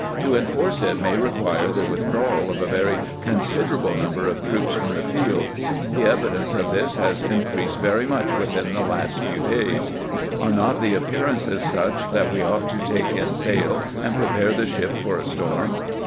... To enforce it may require the withdrawal of a very consid erable number of troops from the field. ... The evi dence of this has increased very much within the last few days. ... Are not the appearances such that we ought to take in sail and prepare the ship for a storm